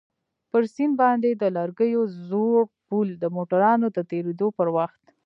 پر سيند باندى د لرګيو زوړ پول د موټرانو د تېرېدو پر وخت.